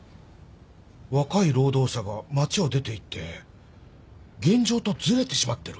若い労働者が町を出ていって現状とずれてしまってる。